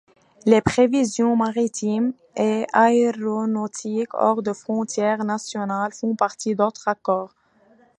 Les prévisions maritimes et aéronautique hors des frontières nationales font partie d'autres accords.